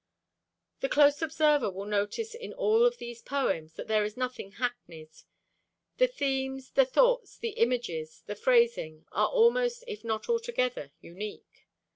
The close observer will notice in all of these poems that there is nothing hackneyed. The themes, the thoughts, the images, the phrasing, are almost if not altogether unique.